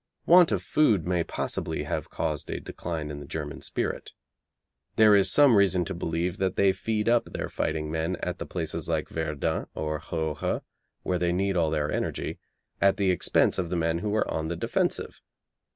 Want of food may possibly have caused a decline in the German spirit. There is some reason to believe that they feed up their fighting men at the places like Verdun or Hooge, where they need all their energy, at the expense of the men who are on the defensive.